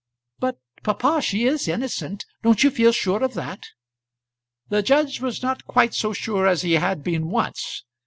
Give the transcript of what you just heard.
"But, papa, she is innocent; don't you feel sure of that?" The judge was not quite so sure as he had been once.